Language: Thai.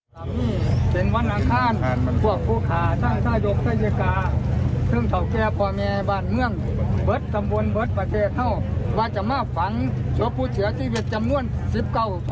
แต่พระมาทักว่าจะให้พุทธการแม่สระดีทนับทราบ